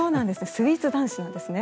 スイーツ男子なんですね。